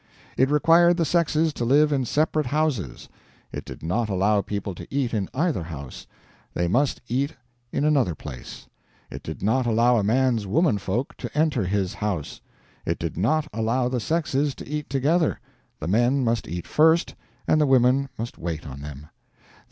It required the sexes to live in separate houses. It did not allow people to eat in either house; they must eat in another place. It did not allow a man's woman folk to enter his house. It did not allow the sexes to eat together; the men must eat first, and the women must wait on them.